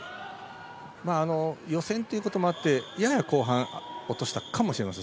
予選ということもあってやや後半落としたかもしれません。